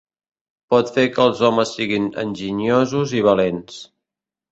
Pot fer que els homes siguin enginyosos i valents.